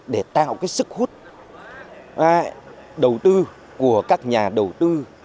để tạo cái sức hút đầu tư của các nhà đầu tư